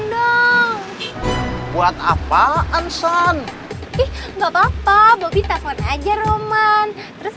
terus ntar bobby bilang susan tuh cantik